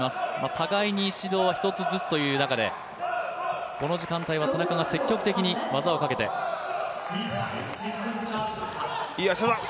互いに指導は１つずつという中でこの時間帯は田中が積極的に技をかけています。